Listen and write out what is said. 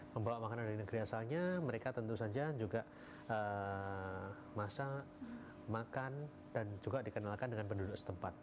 membawa makanan dari negeri asalnya mereka tentu saja juga masak makan dan juga dikenalkan dengan penduduk setempat